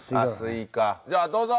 じゃあどうぞ！